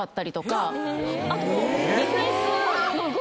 あと。